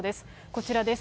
こちらです。